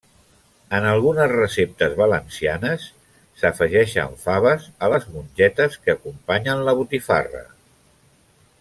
En algunes receptes valencianes s'afegeixen faves a les mongetes que acompanyen la botifarra.